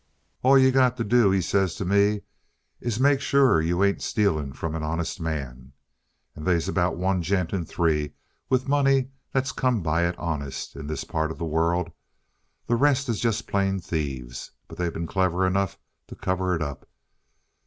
"'All you got to do,' he says to me, 'is to make sure that you ain't stealing from an honest man. And they's about one gent in three with money that's come by it honest, in this part of the world. The rest is just plain thieves, but they been clever enough to cover it up.